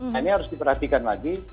nah ini harus diperhatikan lagi